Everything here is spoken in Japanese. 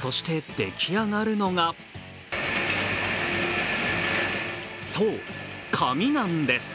そして出来上がるのがそう、紙なんです。